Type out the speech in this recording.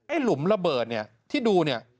หลุมระเบิดเนี่ยที่ดูเนี่ย